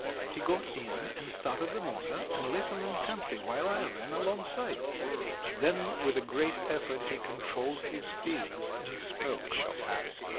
He got in and started the motor, and listened intently while I ran alongside. Then, with a great effort he controlled his feelings and spoke.